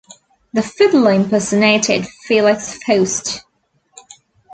The Fiddler impersonated Felix Faust.